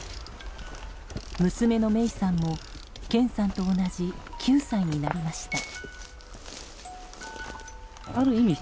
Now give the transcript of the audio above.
娘の芽生さんも健さんと同じ９歳になりました。